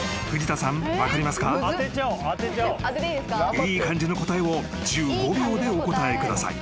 ［いい感じの答えを１５秒でお答えください］